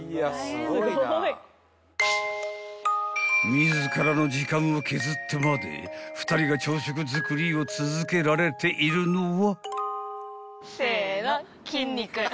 ［自らの時間を削ってまで２人が朝食作りを続けられているのは］